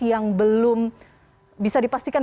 yang belum bisa dipastikan